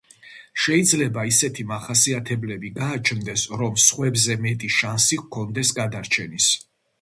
შეიძლება ისეთი მახასიათებლები გააჩნდეს, რომ სხვებზე მეტი შანსი ჰქონდეს გადარჩენის.